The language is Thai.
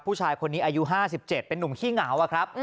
ผู้ชายคนนี้อายุ๕๗เป็นนุ่มขี้เหงาอะครับ